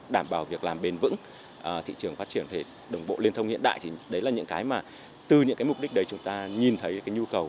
đảm bảo việc làm bền vững thị trường phát triển thể đồng bộ liên thông hiện đại thì đấy là những cái mà từ những cái mục đích đấy chúng ta nhìn thấy cái nhu cầu